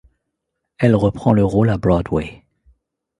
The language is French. Elle reprend le rôle à Broadway.